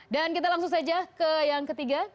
dan kita langsung saja ke yang ketiga